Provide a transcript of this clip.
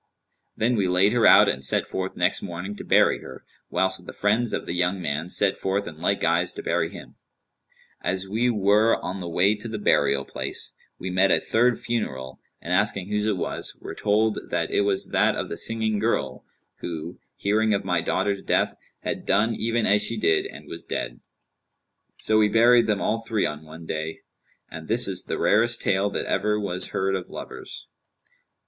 Then we laid her out and set forth next morning to bury her, whilst the friends of the young man set forth in like guise to bury him. As we were on the way to the burial place, we met a third funeral and asking whose it was, were told that it was that of the singing girl who, hearing of my daughter's death, had done even as she did and was dead. So we buried them all three on one day, and this is the rarest tale that ever was heard of lovers."